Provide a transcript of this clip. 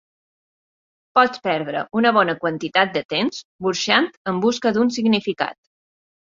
Pots perdre una bona quantitat de temps burxant en busca d'un significat.